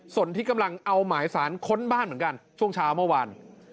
ส่วนที่กำลังเอาหมายสารค้นบ้านเหมือนกันช่วงเช้าเมื่อวาน